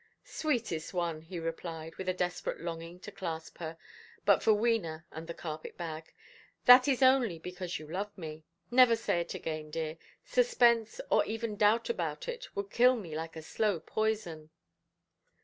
"Sweetest one", he replied, with a desperate longing to clasp her, but for Wena and the carpetbag, "that is only because you love me. Never say it again, dear; suspense, or even doubt about it, would kill me like slow poison".